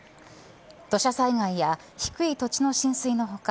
土砂災害や低い土地の浸水の他